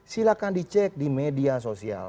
silahkan dicek di media sosial